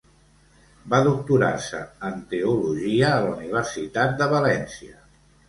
Va doctorar-se en teologia a la Universitat de València.